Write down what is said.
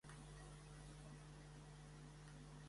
Música clàssica, religiosa, moderna, concreta, dodecatònica.